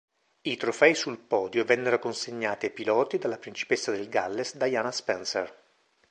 I trofei sul podio vennero consegnati ai piloti dalla principessa del Galles Diana Spencer.